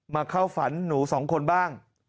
เข้าฝันหนูสองคนบ้าง